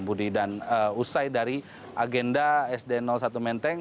budi dan usai dari agenda sd satu menteng